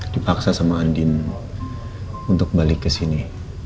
dipaksa sama andin untuk balik ke sini